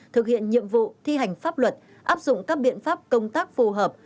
thực hiện nhiệm vụ thi hành pháp luật áp dụng các biện pháp công tác phù hợp